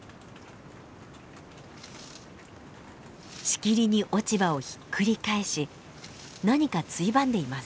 しきりに落ち葉をひっくり返し何かついばんでいます。